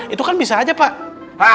itu kan bisa aja pak